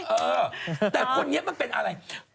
เออแต่คนนี้มันเป็นอะไร